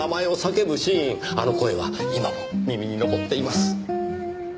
あの声は今も耳に残っています。